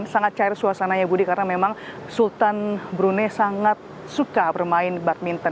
sangat cair suasananya budi karena memang sultan brunei sangat suka bermain badminton